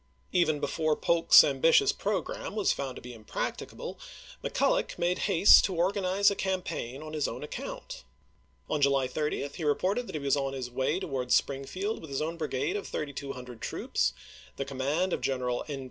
Even before Polk's ambitious programme was found to be impracticable, McCulloch made haste to organize a campaign on his own account. On July 30 he reported that he was on his way towards Springfield with his own brigade of 3200 troops, the command of General N.